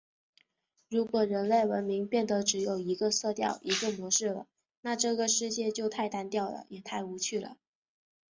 如果人类文明变得只有一个色调、一个模式了，那这个世界就太单调了，也太无趣了！